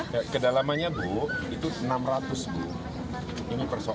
jadi enam ratus kita gak punya alat pak